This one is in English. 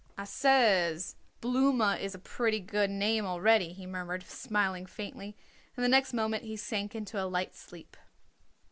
"I says Blooma is a pretty good name already," he murmured, smiling faintly, and the next moment he sank into a light sleep.